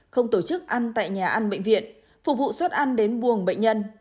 không tổ chức ăn tại nhà ăn bệnh viện phục vụ suất ăn đến buồng bệnh nhân